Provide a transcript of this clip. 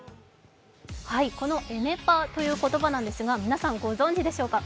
エネパという言葉なんですが皆さんご存じでしょうか。